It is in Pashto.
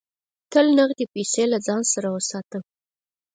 تل لږ نغدې پیسې له ځان سره وساته.